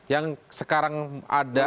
yang sekarang ada